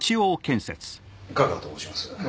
香川と申します